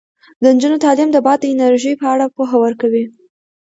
د نجونو تعلیم د باد د انرژۍ په اړه پوهه ورکوي.